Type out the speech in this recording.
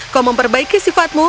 kau memperbaiki sifatmu